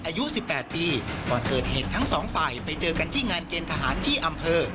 อายุ๑๘ปีก่อนเกิดเหตุทั้งสองฝ่ายไปเจอกันที่งานเกณฑหารที่อำเภอ